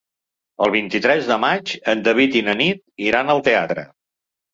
El vint-i-tres de maig en David i na Nit iran al teatre.